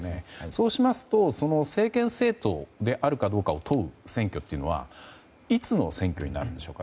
そうしますと政権政党であるかどうかを問う選挙というのはいつの選挙になるんでしょうか。